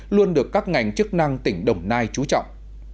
luôn được các ngành chức năng tỉnh đồng nai chú trọng